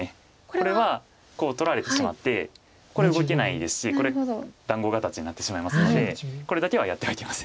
これは取られてしまってこれ動けないですしこれ団子形になってしまいますのでこれだけはやってはいけません。